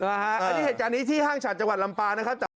อันนี้เหตุการณ์นี้ที่ห้างฉัดจังหวัดลำปางนะครับ